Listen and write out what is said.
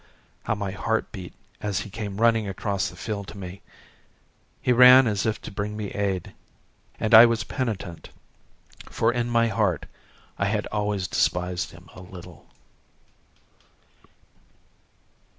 How my heart beat as he came running across the field to me! He ran as if to bring me aid. And I was penitent; for in my heart I had always despised him a little.